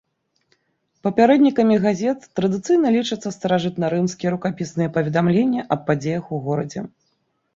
Папярэднікамі газет традыцыйна лічацца старажытнарымскія рукапісныя паведамленні аб падзеях у горадзе.